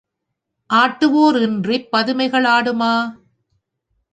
ஆட்டுவோர் இன்றிப் பதுமைகள் ஆடுமா?